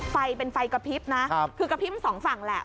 ไฟเป็นไฟกระพริบนะคือกระพริบสองฝั่งแหละ